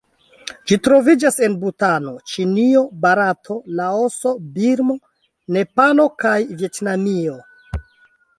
Ĝi troviĝas en Butano, Ĉinio, Barato, Laoso, Birmo, Nepalo kaj Vjetnamio.